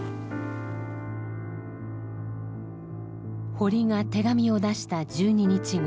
堀が手紙を出した１２日後。